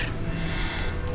masih ada yang gak bisa tidur